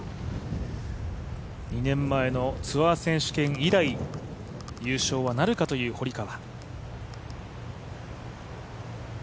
２年前のツアー選手権以来優勝はなるかという堀川。